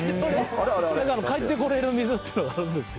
帰ってこれる水ってのがあるんですよ。